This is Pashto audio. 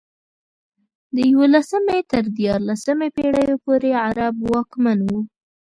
د یولسمې تر دیارلسمې پېړیو پورې عرب واکمن وو.